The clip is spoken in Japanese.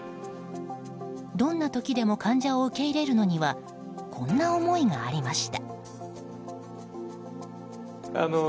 どんな時でも患者を受け入れるのにはこんな思いがありました。